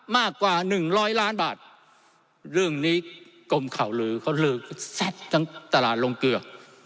มากกว่า๑๐๐ล้านบาทเรื่องนี้กรมข่าวลือเขาลือแซ่นทั้งตลาดลงเกลือ